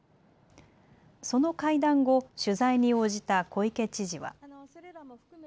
その会談後、取材に応じた小池知事は。